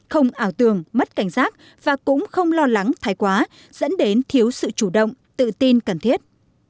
không ảo tường mất cảnh giác và cũng không lo lắng thái quá dẫn đến thiếu sự chủ động tự tin cần thiết